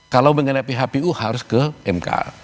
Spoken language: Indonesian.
kalau mengenai phpu harus ke mk